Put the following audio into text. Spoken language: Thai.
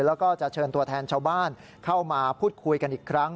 แล้วก็จะเชิญตัวแทนชาวบ้านเข้ามาพูดคุยกันอีกครั้ง